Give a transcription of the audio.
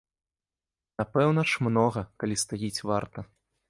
Напэўна ж, многа, калі стаіць варта.